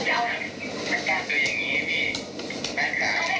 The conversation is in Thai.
แต่แต่ล่ะถ้าอย่างนี้มีกัปตราเห้อ